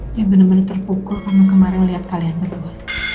dia bener bener terpukul karena kemarin liat kalian berdua